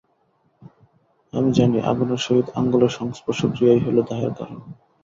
আমি জানি আগুনের সহিত আঙুলের সংস্পর্শ-ক্রিয়াই হইল দাহের কারণ।